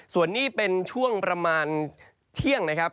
ส่วนนี้เป็นช่วงประมาณเที่ยงนะครับ